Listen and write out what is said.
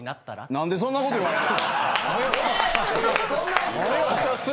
なんでそんなこと言われたん？